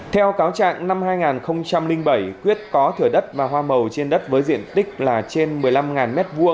theo cáo trạng năm hai nghìn bảy quyết có thửa đất và hoa màu trên đất với diện tích là trên một mươi năm m hai